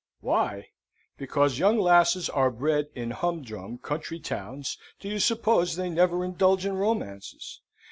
Why? Because young lasses are bred in humdrum country towns, do you suppose they never indulge in romances?